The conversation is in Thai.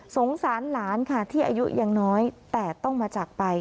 สงสารหลานค่ะที่อายุยังน้อยแต่ต้องมาจากไป